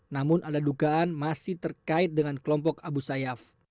namun ada dugaan masih terkait dengan kelompok abu sayyaf